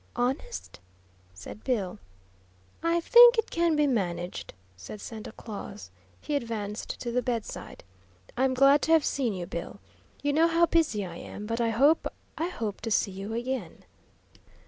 "Honest?" said Bill. "I think it can be managed," said Santa Claus. He advanced to the bedside. "I'm glad to have seen you, Bill. You know how busy I am, but I hope I hope to see you again."